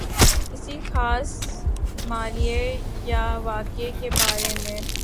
کسی خاص مألے یا واقعے کے بارے میں